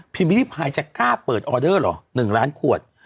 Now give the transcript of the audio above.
พี่วิทย์ภายจะกล้าเปิดออเดอร์หรอ๑ล้านขวด